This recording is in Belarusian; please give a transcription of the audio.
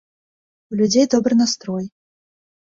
У людзей добры настрой.